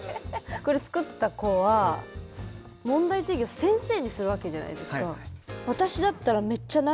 これ作った子は問題提起を先生にするわけじゃないですか。